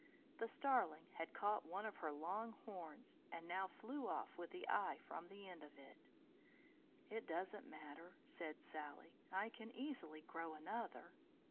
The starling had caught one of her long horns, and now flew off with the eye from the end of it. "It doesn't matter," said Sally. "I can easily grow another."